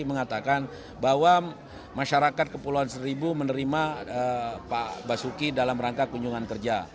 mengatakan bahwa masyarakat kepulauan seribu menerima pak basuki dalam rangka kunjungan kerja